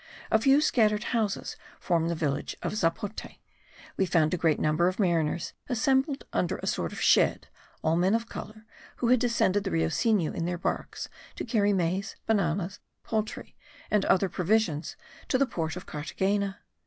A few scattered houses form the village of Zapote: we found a great number of mariners assembled under a sort of shed, all men of colour, who had descended the Rio Sinu in their barks, to carry maize, bananas, poultry and other provisions to the port of Carthagena.